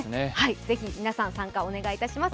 ぜひ、皆さん参加をお願いします。